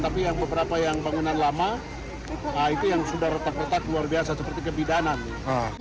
tapi yang beberapa yang bangunan lama itu yang sudah retak retak luar biasa seperti kebidanan